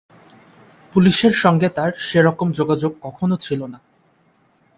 পুলিশের সঙ্গে তাঁর সে-রকম যোগাযোগ কখনো ছিল না।